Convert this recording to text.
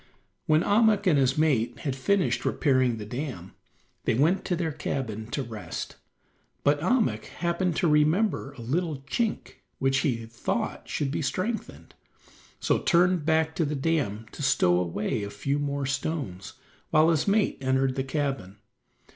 When Ahmuk and his mate had finished repairing the dam, they went to their cabin to rest, but Ahmuk happened to remember a little chink which he thought should be strengthened, so turned back to the dam to stow away a few more stones, while his mate entered the cabin.